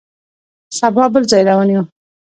سبا بل ځای روان یو.